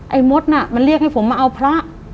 มดน่ะมันเรียกให้ผมมาเอาพระ